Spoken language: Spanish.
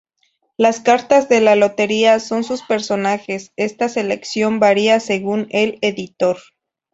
Las cartas de la lotería con sus personajes, esta selección varía según el editor.